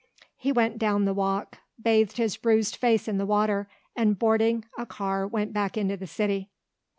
He went down the walk, bathed his bruised face in the water, and boarding a car went back into the city.